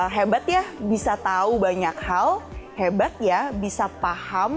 hebat ya bisa tahu banyak hal hebat ya bisa paham